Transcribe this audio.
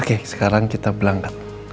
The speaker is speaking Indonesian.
oke sekarang kita berlanggan